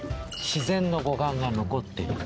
自然の護岸が残っている。